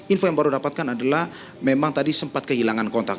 info yang baru dapatkan adalah memang tadi sempat kehilangan kontak